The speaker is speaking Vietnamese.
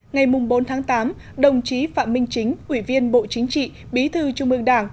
ngày bốn tháng tám đồng chí phạm minh chính ủy viên bộ chính trị bí thư trung ương đảng